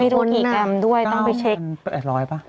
ไม่รู้กี่กรรมด้วยต้องไปเช็คไม่รู้น่ะ๙๘๐๐บาทปะ